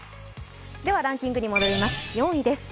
ではランキングに戻ります、４位です。